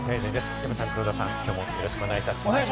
山ちゃん、黒田さん、きょうもよろしくお願いします。